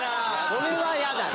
それは嫌だね。